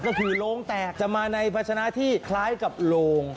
ก็คือโรงแตกจะมาในพัชนะที่คล้ายกับโลง